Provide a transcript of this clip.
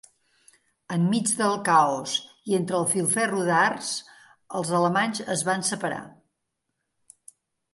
Enmig del caos i entre el filferro d'arç, els alemanys es van separar.